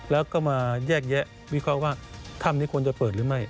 แล้วก็มาแยกแยะวิเคราะห์ว่าถ้ำนี้ควรจะเปิดหรือไม่